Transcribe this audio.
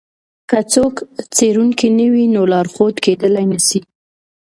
که څوک څېړونکی نه وي نو لارښود کېدلای نسي.